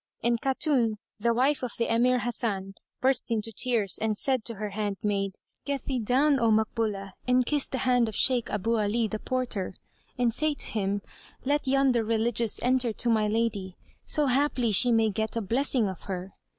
And Khatun, the wife of the Emir Hasan, burst into tears and said to her handmaid, "Get thee down, O Makbúlah, and kiss the hand of Shaykh Abú Alí, the porter, and say to him, 'Let yonder Religious enter to my lady, so haply she may get a blessing of her.